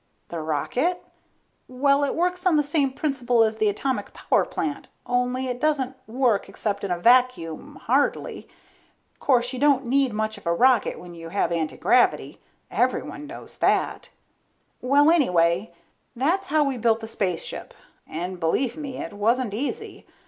The rocket? Well, it works on the same principle as the atomic power plant, only it doesn't work except in a vacuum, hardly. Course you don't need much of a rocket when you have antigravity. Everyone knows that. Well, anyway, that's how we built the spaceship, and believe me, it wasn't easy.